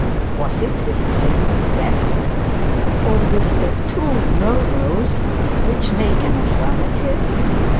Was it with a simple "yes", or with two "no, no's", which makes an affirmative?